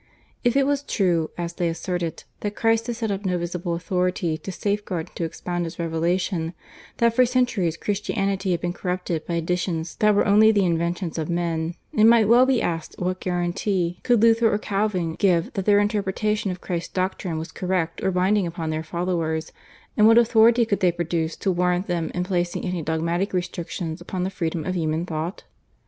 If it was true, as they asserted, that Christ had set up no visible authority to safeguard and to expound His revelation, that for centuries Christianity had been corrupted by additions that were only the inventions of men, it might well be asked what guarantee could Luther or Calvin give that their interpretation of Christ's doctrine was correct or binding upon their followers, and what authority could they produce to warrant them in placing any dogmatic restrictions upon the freedom of human thought?